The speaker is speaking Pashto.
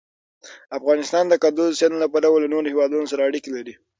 افغانستان د کندز سیند له پلوه له نورو هېوادونو سره اړیکې لري.